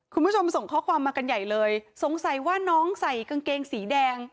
คุณผู้ชมส่งข้อความมากันใหญ่เลยสงสัยว่าน้องใส่กางเกงสีแดง